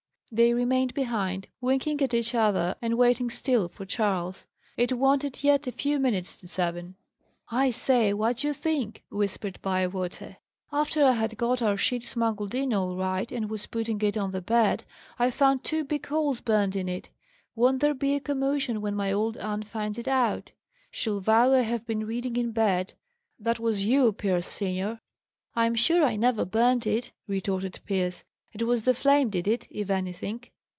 They remained behind, winking at each other, and waiting still for Charles. It wanted yet a few minutes to seven. "I say, what d'ye think?" whispered Bywater. "After I had got our sheet smuggled in, all right, and was putting it on the bed, I found two big holes burnt in it. Won't there be a commotion when my old aunt finds it out! She'll vow I have been reading in bed. That was you, Pierce senior!" "I'm sure I never burnt it," retorted Pierce. "It was the flame did it, if anything."